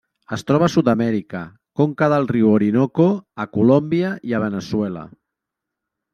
Es troba a Sud-amèrica: conca del riu Orinoco a Colòmbia i Veneçuela.